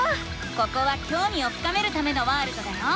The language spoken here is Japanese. ここはきょうみを深めるためのワールドだよ。